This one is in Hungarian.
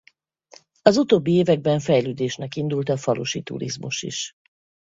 Az utóbbi években fejlődésnek indult a falusi turizmus is.